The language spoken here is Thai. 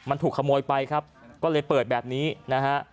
มันถูกขโมยไปครับก็เลยเปิดแบบนี้นะฮะ